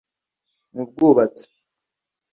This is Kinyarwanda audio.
mu bwubatsi